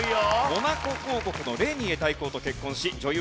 モナコ公国のレーニエ大公と結婚し女優